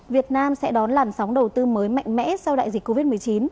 việt nam sẽ đón làn sóng đầu tư mới mạnh mẽ sau đại dịch covid một mươi chín